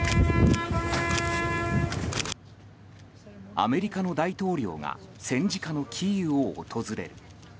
アメリカの大統領が戦時下のキーウを訪れる。